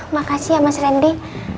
makasih ya mas randy